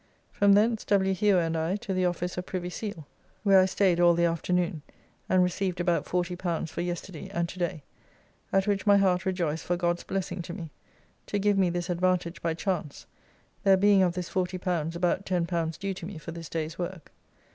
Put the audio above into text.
From thence W. Hewer and I to the office of Privy Seal, where I stayed all the afternoon, and received about L40 for yesterday and to day, at which my heart rejoiced for God's blessing to me, to give me this advantage by chance, there being of this L40 about L10 due to me for this day's work.